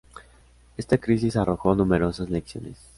Esta crisis arrojó numerosas lecciones.